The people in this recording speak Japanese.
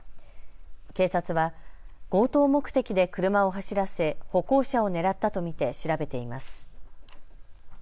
警察は強盗目的で車を走らせ歩行者を狙ったと見て調べています。